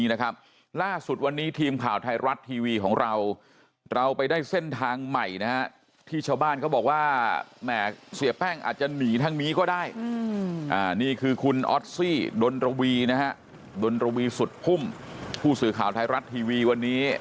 ในรูปตัวตัดตัวตัดตัวจริงกับบนปลอมมอลิน